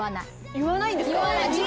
言わないんですか？